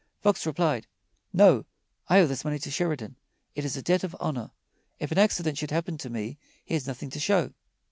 Fox replied: "No; I owe this money to Sheridan. It is a debt of honor. If an accident should happen to me, he has nothing to show."